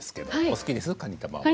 好きです。